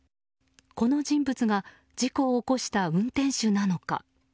この人物が事故を起こした運転手なのか。